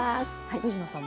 藤野さん